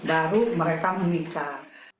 baru mereka menikah